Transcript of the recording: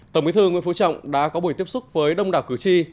tổng bí thư nguyễn phú trọng đã có buổi tiếp xúc với đông đảo cử tri